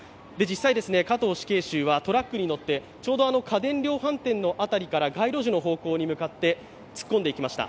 実際、加藤死刑囚はトラックに乗って家電量販店のあたりから街路樹の方向に向かって突っ込んでいきました。